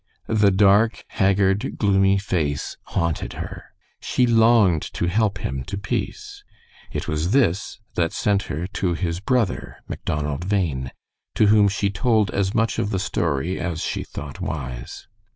The dark, haggard, gloomy face haunted her. She longed to help him to peace. It was this that sent her to his brother, Macdonald Bhain, to whom she told as much of the story as she thought wise.